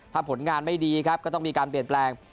ถ้าผลงานไม่ดีครับก็ต้องมีการเปลี่ยนแปลง